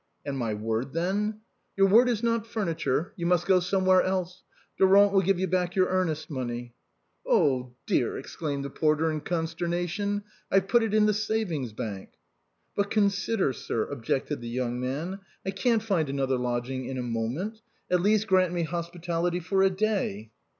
" And my word, then ?" "Your word is not furniture; you must go somewhere else. Durand will give you back your earnest money." " Oh dear !" exclaimed the porter, in consternation, " I've put it in the Savings Bank." " But consider, sir," objected the young man, " I can't find another lodging in a moment ! At least grant me hos pitality for a day."